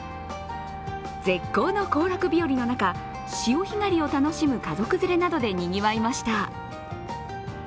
絶好の行楽日和の中潮干狩りを楽しむ家族連れなどでにぎわいました。